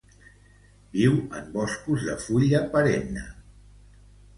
Viu en boscos de fulla perenne.